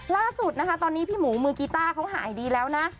ล่าสุดนะคะตอนนี้พี่หมูมือกีต้าเขาหายดีแล้วนะ